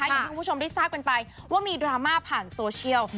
อย่างที่คุณผู้ชมได้ทราบกันไปว่ามีดราม่าผ่านโซเชียล